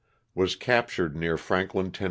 Was captured near Franklin, Tenn.